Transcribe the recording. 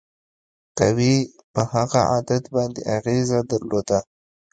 قوې په هغه عدد باندې اغیزه درلوده.